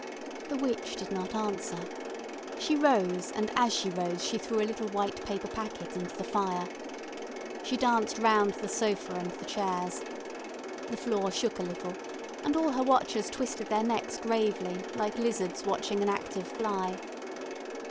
The witch did not answer; she rose, and as she rose she threw a little white paper packet into the fire. She danced round the sofa and the chairs. The floor shook a little, and all her watchers twisted their necks gravely, like lizards watching an active fly.